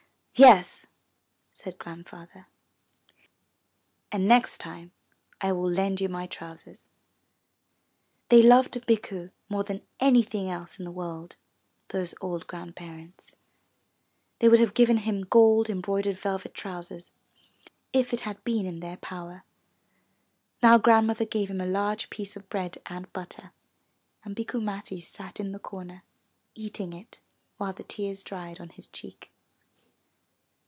Yes," said Grandfather, and next time I will lend you my trousers." They loved Bikku more than anything else in the world, those old grandparents; they would have given him gold embroidered velvet trousers, if it had been in their power. Now Grandmother gave him a large piece of bread and butter, and Bikku Matti sat in the corner eating it while the tears dried on his cheek.